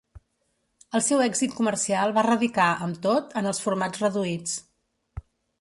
El seu èxit comercial va radicar, amb tot, en els formats reduïts.